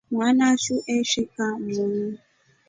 Mwana su eshi kaa mwoni.